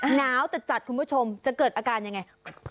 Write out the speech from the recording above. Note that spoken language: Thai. หนาวแต่จัดคุณผู้ชมจะเกิดอาการยังไง